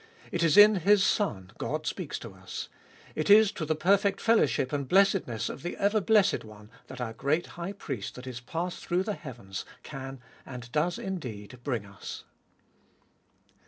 It is in His Son God speaks to us ; it is to the perfect fellowship and blessedness of the ever blessed One that our great High Priest that is passed through the heavens can, and does indeed, bring us.